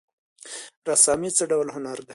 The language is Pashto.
رسامي څه ډول هنر دی؟